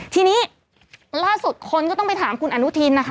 ทีนี้ล่าสุดคนก็ต้องไปถามคุณอนุทินนะคะ